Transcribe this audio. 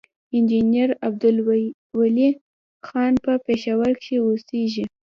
انجينير عبدالولي خان پۀ پېښور کښې اوسيږي،